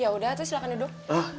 yaudah teh silakan duduk